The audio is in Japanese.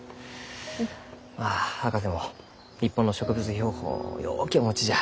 まあ博士も日本の植物標本をようけお持ちじゃ。